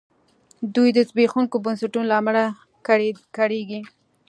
دوی د زبېښونکو بنسټونو له امله کړېږي.